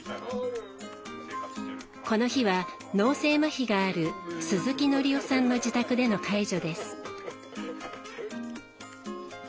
この日は、脳性まひがある鈴木範夫さんの自宅での介助です。